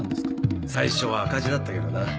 最初は赤字だったけどな